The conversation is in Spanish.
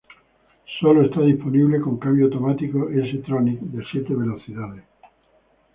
Sólo está disponible con cambio automático S-Tronic de siete velocidades.